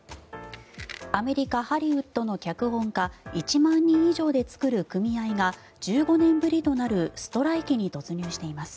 アメリカ・ハリウッドの脚本家１万人以上で作る組合が１５年ぶりとなるストライキに突入しています。